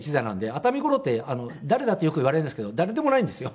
熱海五郎って誰だ？ってよく言われるんですけど誰でもないんですよ。